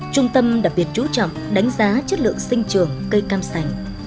trung tâm đặc biệt chú trọng đánh giá chất lượng sinh trường cây cam sành